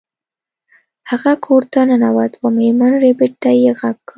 هغه کور ته ننوت او میرمن ربیټ ته یې غږ کړ